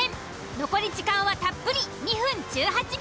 残り時間はたっぷり２分１８秒。